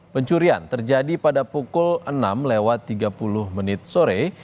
pencurian terjadi pada pukul enam lewat tiga puluh menit sore